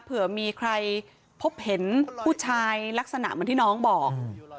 เผื่อมีใครพบเห็นผู้ชายลักษณะเหมือนที่น้องบอก